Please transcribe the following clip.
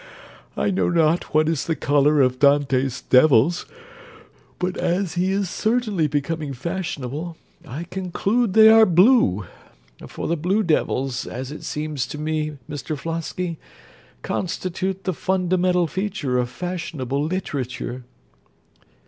I know not what is the colour of Dante's devils, but as he is certainly becoming fashionable I conclude they are blue; for the blue devils, as it seems to me, Mr Flosky, constitute the fundamental feature of fashionable literature.